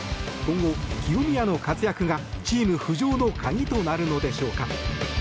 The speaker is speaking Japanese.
今後、清宮の活躍がチーム浮上の鍵となるのでしょうか。